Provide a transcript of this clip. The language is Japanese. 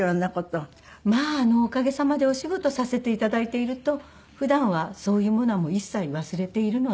まあおかげさまでお仕事させて頂いていると普段はそういうものは一切忘れているので。